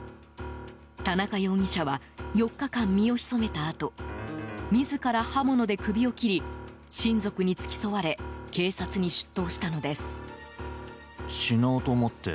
田中容疑者は４日間身を潜めたあと自ら刃物で首を切り親族に付き添われ警察に出頭したのです。